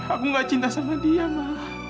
aku gak cinta sama dia mah